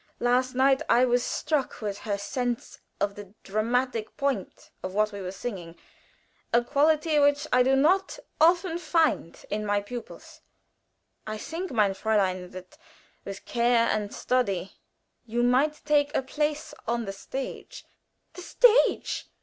Last night I was struck with her sense of the dramatic point of what we were singing a quality which I do not too often find in my pupils. I think, mein Fräulein, that with care and study you might take a place on the stage." "The stage!"